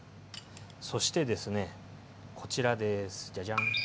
そしてですねこちらですジャジャン！